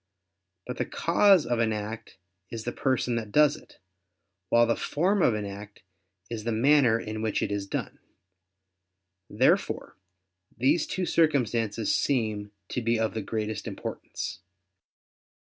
But the cause of an act is the person that does it; while the form of an act is the manner in which it is done. Therefore these two circumstances seem to be of the greatest importance.